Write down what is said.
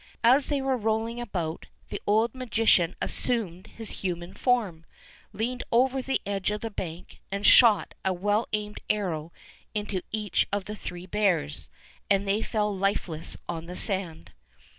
As they were rolling about, the old magician assumed his human form, leaned over the edge of the bank, and shot a well aimed arrow into each of the three bears, and they fell lifeless on the sand.